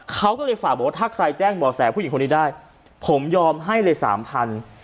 เขาก็เลยฝากบอกว่าถ้าใครแจ้งบ่อแสผู้หญิงคนนี้ได้ผมยอมให้เลยสามพัน